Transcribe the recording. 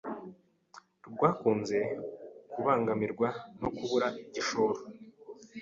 rwakunze kubangamirwa no kubura igishoro